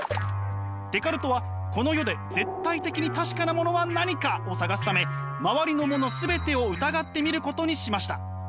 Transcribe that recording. デカルトはこの世で絶対的に確かなものは何かを探すため周りのもの全てを疑ってみることにしました。